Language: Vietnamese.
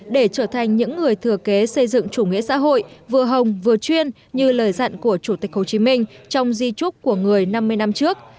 để trở thành những người thừa kế xây dựng chủ nghĩa xã hội vừa hồng vừa chuyên như lời dặn của chủ tịch hồ chí minh trong di trúc của người năm mươi năm trước